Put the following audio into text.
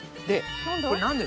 で。